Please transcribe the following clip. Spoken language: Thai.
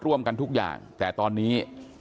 ร่วมกันทุกอย่างแต่ตอนนี้